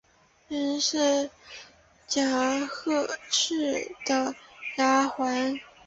原为贾赦的丫环。